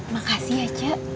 makasih ya cik